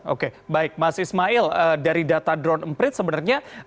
oke baik mas ismail dari data drone emprit sebenarnya